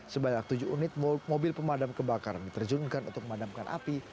sebanyak tujuh unit mobil pemadam kebakaran diterjunkan untuk memadamkan api